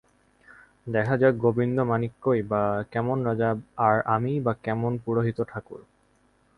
দেখা যাক, গোবিন্দমাণিক্যই বা কেমন রাজা, আর আমিই বা কেমন পুরোহিত-ঠাকুর।